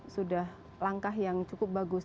sudah langkah yang cukup bagus